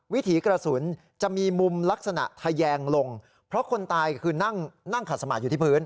วิถีกระสุนจะมีมุมลักษณะทะแยงลงเพราะคนตายคือนั่งขัดสมาธิอยู่ที่พื้น